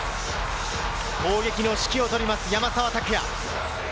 攻撃の指揮を執ります、山沢拓也。